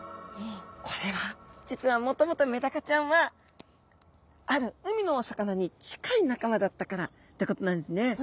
これは実はもともとメダカちゃんはある海のお魚に近い仲間だったからってことなんですね。